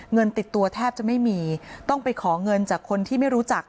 เงินติดตัวแทบจะไม่มีต้องไปขอเงินจากคนที่ไม่รู้จัก